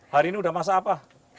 hari ini udah masa apa